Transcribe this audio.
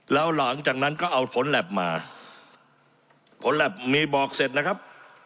แล้วหลังจากนั้นก็เอาผลแล็บมาผลแล็บมีบอกเสร็จนะครับ